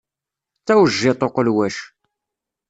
D tawejjiṭ uqelwac.